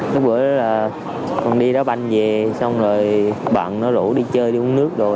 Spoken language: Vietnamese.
cái bữa đó là con đi đó banh về xong rồi bạn nó rủ đi chơi đi uống nước rồi